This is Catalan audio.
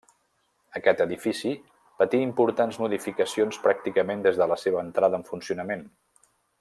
Aquest edifici patí importants modificacions pràcticament des de la seva entrada en funcionament.